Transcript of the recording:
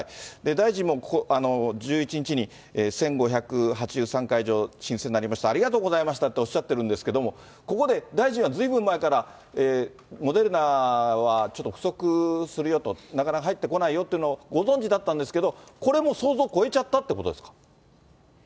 大臣も１１日に、１５８３会場の申請になりました、ありがとうございましたっておっしゃってるんですけれども、ここで大臣はずいぶん前からモデルナはちょっと不足するよと、なかなか入ってこないよというのをご存じだったんですけど、これも想像を超えちゃったってことですか。